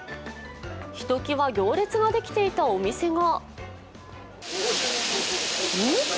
ひときわ行列ができていたお店が。